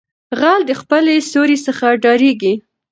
ـ غل دې خپلې سېرې څخه ډاريږي.